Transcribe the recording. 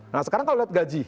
nah sekarang kalau lihat gaji